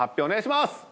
お願いします